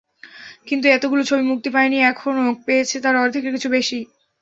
কিন্তু এতগুলো ছবি মুক্তি পায়নি এখনো, পেয়েছে তার অর্ধেকের কিছু বেশি।